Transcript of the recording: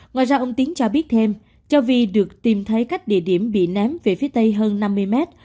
ngoài ra ông tiến cho biết thêm cho vi được tìm thấy cách địa điểm bị ném về phía tây hơn năm mươi mét